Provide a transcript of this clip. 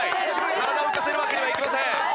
体を浮かせるわけにはいきません。